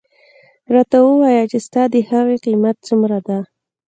راته ووایه چې ستا د هغې قیمت څومره دی.